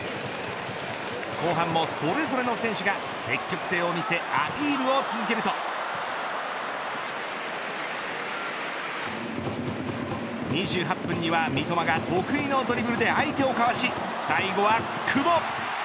後半もそれぞれの選手が積極性を見せアピールを続けると２８分には三笘が得意のドリブルで相手をかわし最後は久保。